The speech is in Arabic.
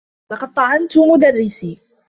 لقد طعنت مدرّسي.